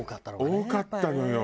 多かったのよ。